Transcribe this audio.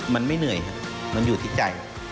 มันไม่เหนื่อยครับมันอยู่ที่ใจ